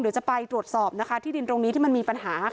เดี๋ยวจะไปตรวจสอบที่ดินตรงนี้ที่มันมีปัญหา